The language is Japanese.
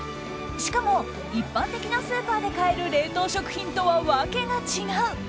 しかも一般的なスーパーで買える冷凍食品とは訳が違う。